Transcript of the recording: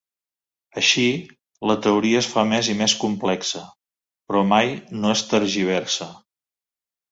Així, la teoria es fa més i més complexa, però mai no es tergiversa.